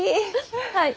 はい。